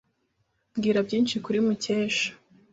Mbwira byinshi kuri Mukesha.